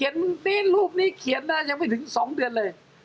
นี้รูปนี้เขียนนะยังไม่ถึงสองเดือนเลย